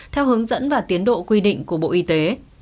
theo hướng dẫn và tiến độ quy định của bộ y tế